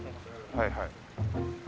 はいはい。